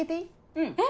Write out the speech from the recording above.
うん。えっ！